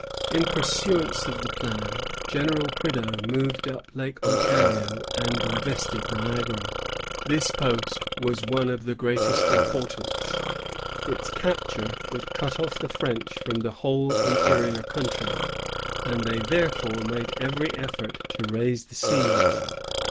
In pursuance of the plan, General Prideaux moved up Lake Ontario and invested Niagara. This post was one of the greatest importance. Its capture would cut off the French from the whole interior country, and they therefore made every effort to raise the siege.